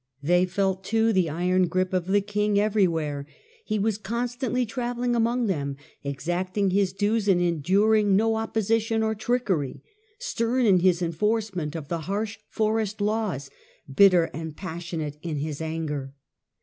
They felt, too, the iron grip of the king everywhere. He was constantly travelling among them, exacting his dues and enduring no opposition or trickery, stem in his en forcement of the harsh forest laws, bitter and passionate in his anger.